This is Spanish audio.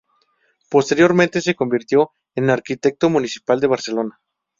Posteriormente se convirtió en arquitecto municipal de Barcelona.